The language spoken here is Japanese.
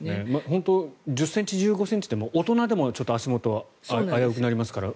本当に１０ｃｍ、１５ｃｍでも大人でも足元が危うくなりますから。